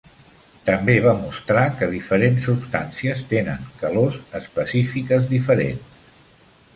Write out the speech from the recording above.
També va mostrar que diferents substàncies tenen calors específiques diferents.